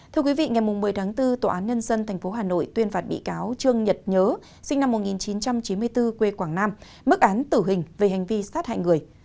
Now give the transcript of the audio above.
thưa quý vị ngày một mươi tháng bốn tòa án nhân dân tp hà nội tuyên phạt bị cáo trương nhật nhớ sinh năm một nghìn chín trăm chín mươi bốn quê quảng nam mức án tử hình về hành vi sát hại người